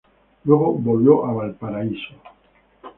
Luego volvió a Valparaíso.